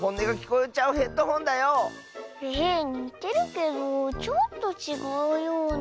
えにてるけどちょっとちがうような。